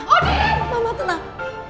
odin mama tenang